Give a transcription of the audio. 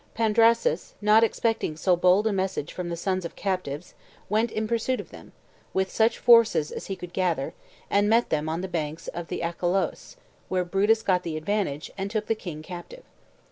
Pandrasus, not expecting so bold a message from the sons of captives, went in pursuit of them, with such forces as he could gather, and met them on the banks of the Achelous, where Brutus got the advantage, and took the king captive.